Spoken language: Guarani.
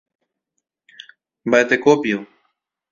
Mba'etekópio.